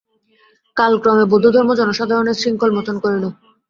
কালক্রমে বৌদ্ধধর্ম জনসাধারণের শৃঙ্খল মোচন করিল।